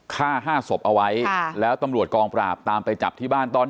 ฆ่าห้าศพเอาไว้แล้วตำรวจกองปราบตามไปจับที่บ้านตอน